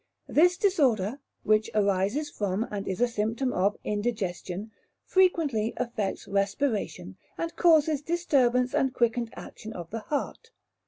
This disorder, which arises from, and is a symptom of, indigestion, frequently affects respiration, and causes disturbance and quickened action of the heart.